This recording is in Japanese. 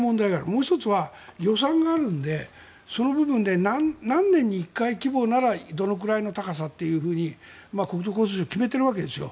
もう１つは予算があるのでその部分で何年に１回規模ならどのくらいの高さと、国土交通省決めているわけですよ。